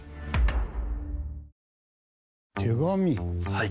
はい。